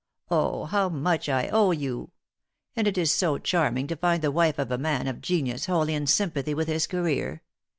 Oh, how much I owe you! And it is so charming to find the wife of a man of genius wholly in sympathy with his career.